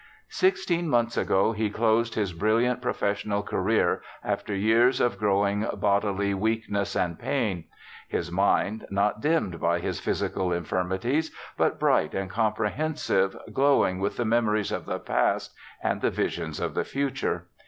' Sixteen months ago, he closed his brilliant profes sional career, after years of growing bodily weakness and pain ; his mind not dimmed by his physical infirmi ties, but bright and comprehensive, glowing with the memories of the past, and the visions of the future.